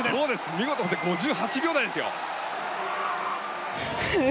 見事５８秒台ですよ！